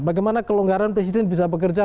bagaimana kelonggaran presiden bisa bekerja